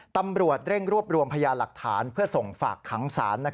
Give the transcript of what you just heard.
ตำรวจเร่งรวบรวมพยานหลักฐานเพื่อส่งฝากขังศาล